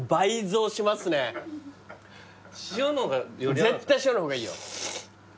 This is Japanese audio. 絶対塩の方がいいよ！